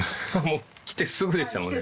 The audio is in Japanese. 来てすぐでしたもんね。